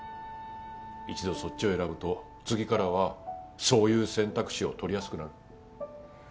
一度そっちを選ぶと次からはそういう選択肢を取りやすくなる。